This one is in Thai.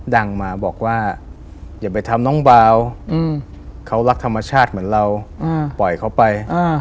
ดังมาบอกว่าอย่าไปทำน้องเบาเขารักธรรมชาติเหมือนเราปล่อยเขาไป